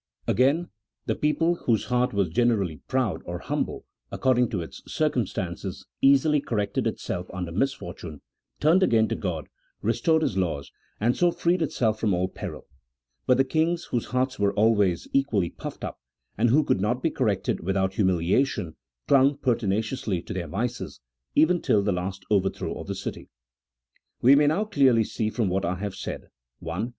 Again, the people, whose heart was generally proud or humble according to its circumstances, easily corrected it self under misfortune, turned again to Grod, restored His laws, and so freed itself from all peril ; but the kings, whose hearts were always equally puffed up, and who could not be corrected without humiliation, clung pertinaciously to theirwices, even till the last overthrow of the city. "We may now clearly see from what I have said :— I.